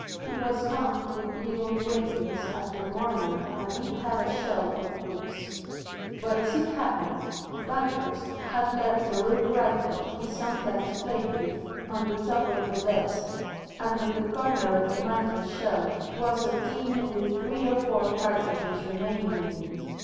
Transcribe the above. It was hung with little engravings after Morland and it had a shelf of books. But as it happened, Banghurst had left a rook rifle he sometimes played with on the top of the desk, and on the corner of the mantelshelf was a tin with three or four cartridges remaining in it.